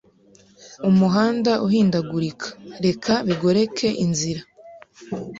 Umuhanda uhindagurika, reka bigoreke inzira